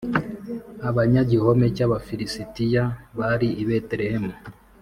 abanyagihome cy Abafilisitiya bari i Betelehemu